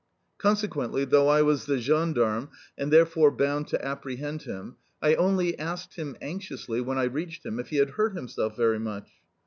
Consequently, though I was the gendarme and therefore bound to apprehend him, I only asked him anxiously, when I reached him, if he had hurt himself very much.